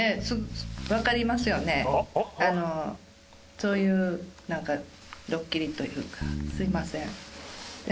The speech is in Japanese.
そういうなんかドッキリというかすみません。